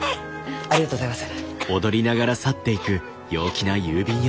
ありがとうございます。